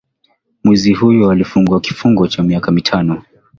Mwizi huyo alifungwa kifungo cha miaka mitano.